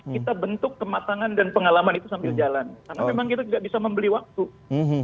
kita bentuk kematangan dan pengalaman itu sambil jalan karena memang kita tidak bisa membeli waktu